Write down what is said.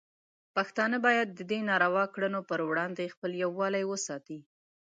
پښتانه باید د دې ناروا کړنو پر وړاندې خپل یووالی وساتي.